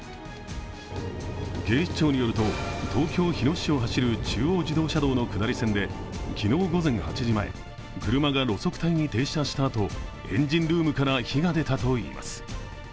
警視庁によると、東京・日野市を走る中央自動車道の下り線で昨日午前８時前、車が路側帯に停車したあとエンジンルームから火が出たといいます。